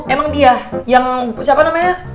emang dia yang siapa namanya